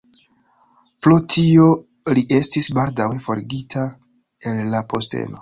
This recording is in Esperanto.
Pro tio li estis baldaŭe forigita el la posteno.